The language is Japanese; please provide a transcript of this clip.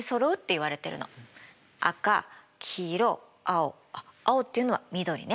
赤黄色青青っていうのは緑ね。